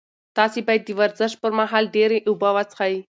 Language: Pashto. تاسي باید د ورزش پر مهال ډېرې اوبه وڅښئ.